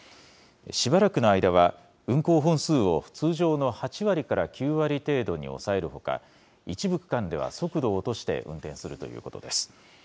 しばらくの間は、運行本数を通常の８割から９割程度に抑えるほか、一部区間では速度を落として運転するということです。